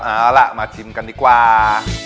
เอาล่ะมาชิมกันดีกว่า